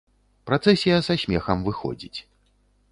Працэсія са смехам выходзіць.